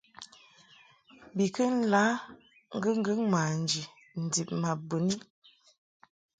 Ba kɨ la ŋgɨŋgɨŋ manji ndib ma bɨni.